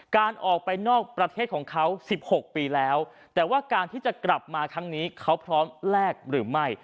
การออกไปนอกประเทศของเขา๑๖ปีแล้วแต่ว่าการที่จะกลับมาครั้งนี้เขาพร้อมแลกหรือไม่